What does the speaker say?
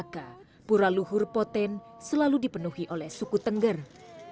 ketua pembangunan ketua pembangunan ketua